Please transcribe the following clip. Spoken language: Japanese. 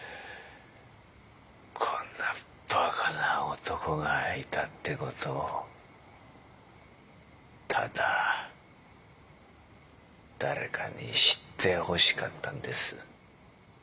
こんなバカな男がいたって事をただ誰かに知ってほしかったんです。